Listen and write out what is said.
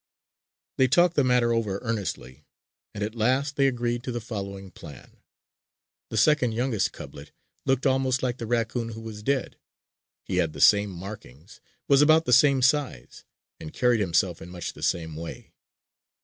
They talked the matter over earnestly; and at last they agreed to the following plan. The second youngest cublet looked almost like the raccoon who was dead. He had the same markings, was about the same size, and carried himself in much the same way.